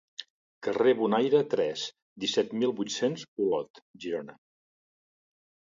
Carrer Bonaire, tres, disset mil vuit-cents Olot, Girona.